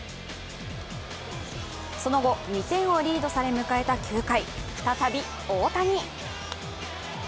その後２点をリードされ迎えた９回、再び大谷。